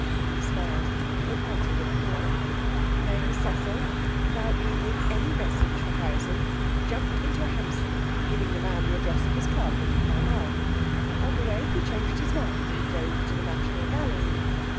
He smiled. They parted at the corner. Then Cecil, without leaving any message for Hyacinth, jumped into a hansom, giving the man the address of his club in Pall Mall. On the way he changed his mind, and drove to the National Gallery.